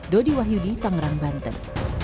dodi wahyudi tangerang banten